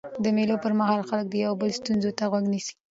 د مېلو پر مهال خلک د یو بل ستونزو ته غوږ نیسي.